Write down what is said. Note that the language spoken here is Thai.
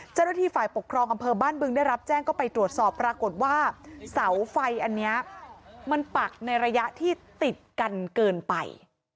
เจ้าหน้าที่ฝ่ายปกครองอำเภอบ้านบึงได้รับแจ้งก็ไปตรวจสอบปรากฏว่าเสาไฟอันนี้มันปักในระยะที่ติดกันเกินไป